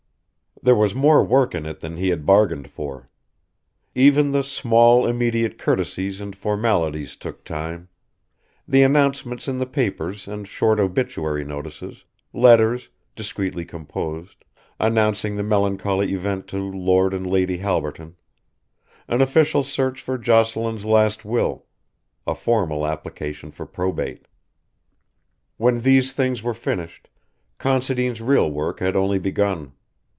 There was more work in it than he had bargained for. Even the small immediate courtesies and formalities took time; the announcements in the papers and short obituary notices; letters, discreetly composed, announcing the melancholy event to Lord and Lady Halberton; an official search for Jocelyn's last will; a formal application for probate. When these things were finished, Considine's real work had only begun.